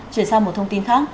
chuyển sang một thông tin khác